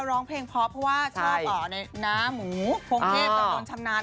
ร้องเพลงพอเพราะว่าชอบอ่ะน้าหมูโพงเทพตอนชำนาน